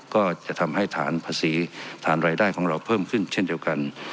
ก็จะทำให้ฐานภาษีฐานรายได้ของเราเพิ่มขึ้นเช่นเดียวกัน